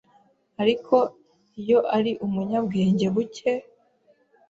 ariko iyo ari umunyabwenge buke,